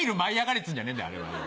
っつうんじゃねえんだよあれは。